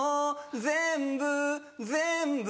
全部全部